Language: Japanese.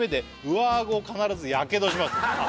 「上顎を必ずやけどします」